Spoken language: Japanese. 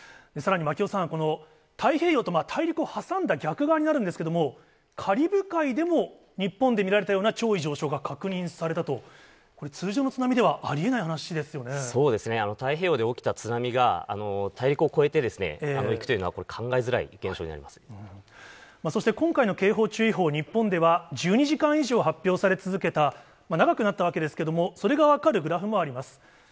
さらに牧尾さん、この太平洋と大陸を挟んだ逆側になるんですけれども、カリブ海でも、日本で見られたような潮位上昇が確認されたと、これ、通常のそうですね、太平洋で起きた津波が、大陸を越えていくというのは、これ、そして今回の警報、注意報、日本では、１２時間以上発表され続けた、長くなったわけですけれども、それが分かるグラフもあります。